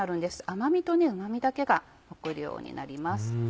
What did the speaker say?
甘味とうま味だけが残るようになります。